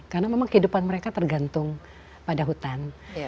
karena memang kehidupan mereka tergantung pada hutan